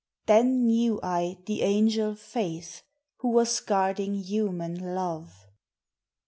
Then knew I the Angel Faith, Who was guarding human Love.